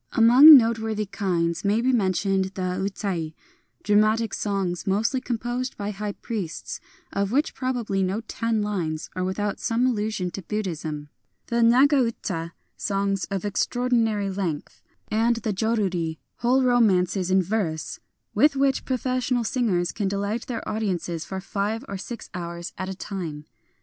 Among noteworthy kinds may be mentioned the Utai, dramatic songs, mostly composed by high priests, of which probably no ten lines are without some allusion to Buddhism ;— the JV^aga uta, songs often of extraordinary length ;— and the Joruri, whole romances in verse, with which professional singers can delight their audiences for five or six hours at a time.